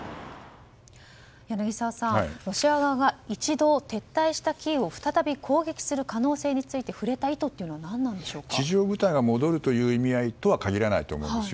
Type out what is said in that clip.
柳澤さん、ロシア側が一度撤退したキーウを再び攻撃する可能性について触れた意図というのは地上部隊が戻るという意味合いとは限らないと思います。